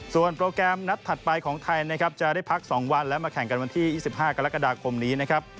ส่วนโปรแกรมนัดถัดไปของไทยนะครับจะได้พัก๒วันและมาแข่งกันวันที่๒๕กรกฎาคมนี้นะครับ